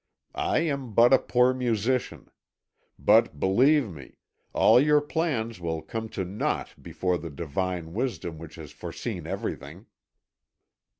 I am but a poor musician. But, believe me, all your plans will come to naught before the Divine Wisdom which has foreseen everything."